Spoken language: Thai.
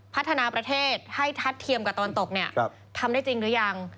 พัฒนาประเทศให้ทัดเทียมกับตะวันตกเนี่ยทำได้จริงหรือยัง